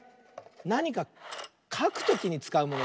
なにかかくときにつかうもの。